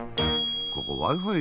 ここＷｉ−Ｆｉ